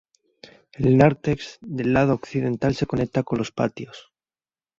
El nártex del lado occidental se conecta con los patios.